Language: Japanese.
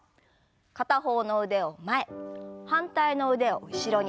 片方の腕を前反対の腕を後ろに。